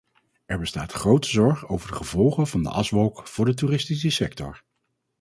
Er bestaat grote zorg over de gevolgen van de aswolk voor de toeristische sector.